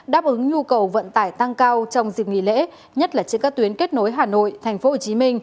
đáp ứng nhu cầu vận tải tăng cao trong dịp nghỉ lễ nhất là trên các tuyến kết nối hà nội tp hcm